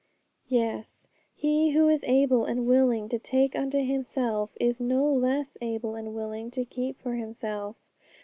Yes! He who is able and willing to take unto Himself, is no less able and willing to keep for Himself.